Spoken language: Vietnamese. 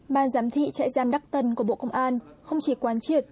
ban giám thị trại giam đắc tân của bộ công an không chỉ quán triệt